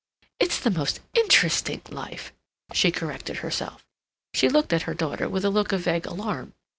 "It's the most interesting life," she corrected herself. She looked at her daughter with a look of vague alarm.